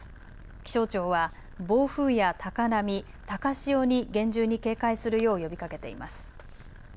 気象庁は暴風や高波、高潮に厳重に警戒するよう呼びかけています。